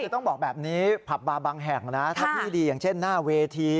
คือต้องบอกแบบนี้ผับบาร์บางแห่งนะถ้าพี่ดีอย่างเช่นหน้าเวที